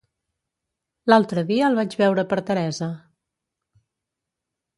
L'altre dia el vaig veure per Teresa.